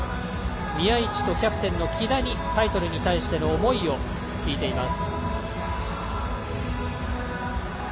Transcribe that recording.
宮市とキャプテンの喜田にタイトルに対しての思いを聞いています。